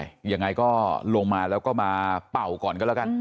ยังไงก็ลงมาแล้วก็มาเป่าก่อนก็แล้วกัน